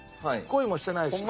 恋もしてないし。